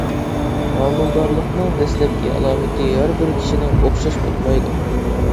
ھامىلىدارلىقنىڭ دەسلەپكى ئالامىتى ھەر بىر كىشىنىڭ ئوخشاش بولمايدۇ.